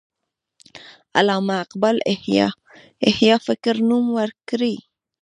علامه اقبال احیای فکر نوم ورکړی.